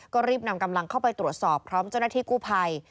ก็รีบนำกำลังเข้าไปตรวจสอบพร้อมเจ้าหน้าที่กู้ภัย